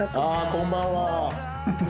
こんばんは。